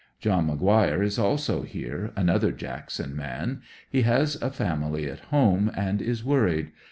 John Mc Guire is also here, another Jackson man. He has a family at home and is worried.